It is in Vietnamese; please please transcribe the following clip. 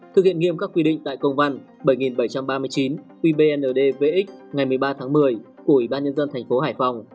thực hiện nghiêm các quy định tại công văn bảy nghìn bảy trăm ba mươi chín qbdx ngày một mươi ba tháng một mươi của ủy ban nhân dân thành phố hải phòng